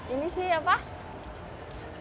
ini sih apa cantik